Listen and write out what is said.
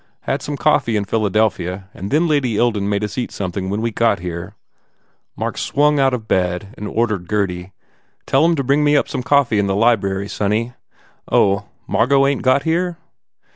Got some coffee in Philadelphia and then Lady Ilden made us eat somethin when we got here." Mark swung out of bed and ordered Gurdy, "Tell em to bring me up some coffee in the library, sonny. Oh, Margot ain t got here?"